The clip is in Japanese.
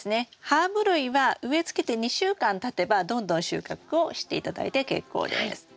ハーブ類は植えつけて２週間たてばどんどん収穫をして頂いて結構です。